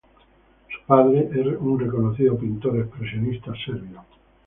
Su padre es un reconocido pintor expresionista serbio.